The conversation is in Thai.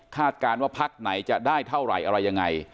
การว่าพักไหนจะได้เท่าไหร่อะไรยังไง